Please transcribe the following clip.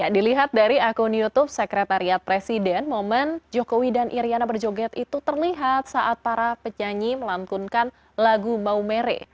dilihat dari akun youtube sekretariat presiden momen jokowi dan iryana berjoget itu terlihat saat para penyanyi melantunkan lagu maumere